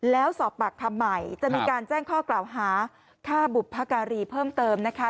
แล้วสอบปากคำใหม่จะมีการแจ้งข้อกล่าวหาฆ่าบุพการีเพิ่มเติมนะคะ